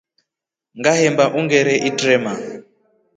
Ngehemba ungere itrema.